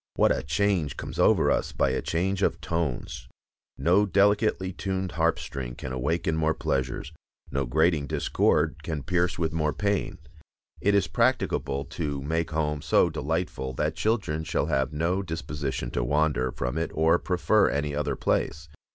What a change comes over us by a change of tones! No delicately tuned harp string can awaken more pleasures, no grating discord can pierce with more pain. It is practicable to make home so delightful that children shall have no disposition to wander from it or prefer any other place.